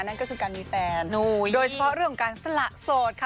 นั่นก็คือการมีแฟนโดยเฉพาะเรื่องของการสละโสดค่ะ